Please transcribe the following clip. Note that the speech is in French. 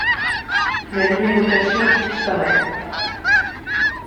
La numérotation disparaît.